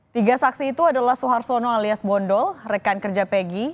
tiga saksi itu adalah soeharsono alias bondol rekan kerja peggy